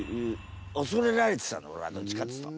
恐れられてたんだおれはどっちかっつうと。